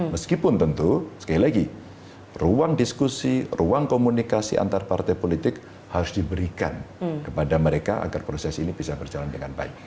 meskipun tentu sekali lagi ruang diskusi ruang komunikasi antar partai politik harus diberikan kepada mereka agar proses ini bisa berjalan dengan baik